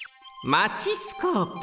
マチスコープ。